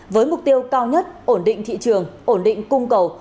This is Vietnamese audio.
với mục tiêu cao nhất ổn định thị trường ổn định cung cầu